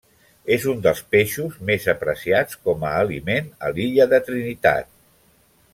És un dels peixos més apreciats com a aliment a l'illa de Trinitat.